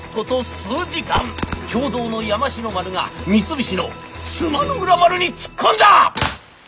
数時間共同の山城丸が三菱の須磨の浦丸に突っ込んだ！